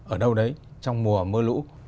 ở đâu đấy trong mùa mưa lũ